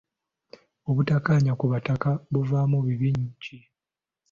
Obutakkaanya ku bataka buvaamu bibi ki?